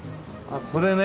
これね。